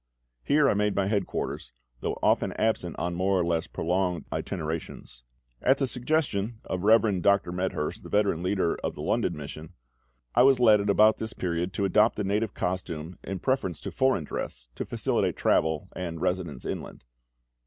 Here I made my headquarters, though often absent on more or less prolonged itinerations. At the suggestion of the Rev. Dr. Medhurst, the veteran leader of the London Mission, I was led at about this period to adopt the native costume in preference to foreign dress, to facilitate travel and residence inland.